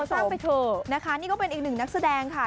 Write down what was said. ทราบไปเถอะนะคะนี่ก็เป็นอีกหนึ่งนักแสดงค่ะ